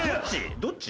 どっち？